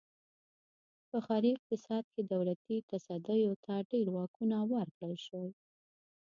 په ښاري اقتصاد کې دولتي تصدیو ته ډېر واکونه ورکړل شول.